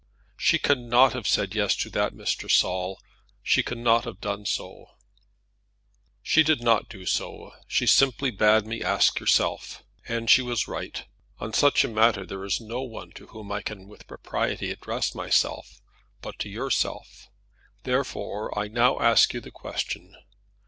"She cannot have said yes to that, Mr. Saul; she cannot have done so!" "She did not do so. She simply bade me ask yourself. And she was right. On such a matter there is no one to whom I can with propriety address myself, but to yourself. Therefore I now ask you the question.